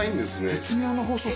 絶妙な細さ。